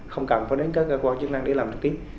không cần phải đến các cơ quan chức năng để làm được tiếp